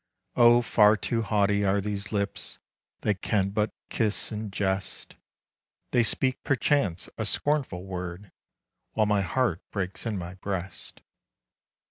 Oh far too haughty are these lips, They can but kiss and jest. They speak perchance a scornful word, While my heart breaks in my breast.